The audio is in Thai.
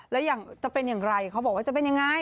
แล้วอย่างจะเป็นอย่างไรเขาบอกว่าจะเป็นยังไง